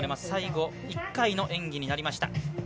最後、１回の演技になりました。